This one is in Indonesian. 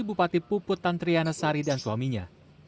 bupati puput tantriana sari dan suaminya